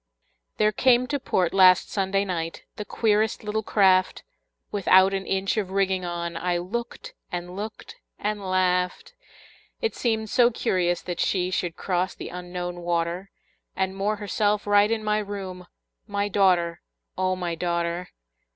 There came to port last Sunday night The queerest little craft, Without an inch of rigging on; I looked and looked and laughed. It seemed so curious that she Should cross the Unknown water, And moor herself right in my room, My daughter, O my daughter!